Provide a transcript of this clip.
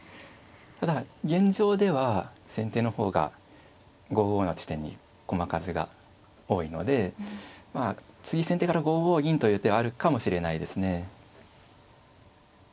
ただ現状では先手の方が５五の地点に駒数が多いので次先手から５五銀という手はあるかもしれないですね。